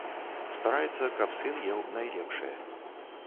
Стараецца, каб сын еў найлепшае.